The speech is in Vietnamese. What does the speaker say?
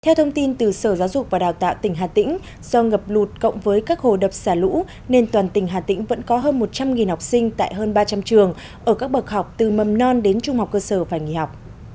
theo thông tin từ sở giáo dục và đào tạo tỉnh hà tĩnh do ngập lụt cộng với các hồ đập xả lũ nên toàn tỉnh hà tĩnh vẫn có hơn một trăm linh học sinh tại hơn ba trăm linh trường ở các bậc học từ mầm non đến trung học cơ sở phải nghỉ học